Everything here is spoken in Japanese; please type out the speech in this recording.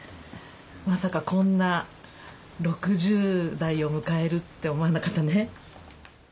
まさかこんな６０代を迎えるって思わなかったね。